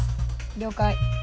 了解。